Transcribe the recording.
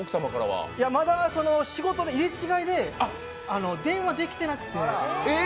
まだ仕事で入れ違いで電話できてなくて。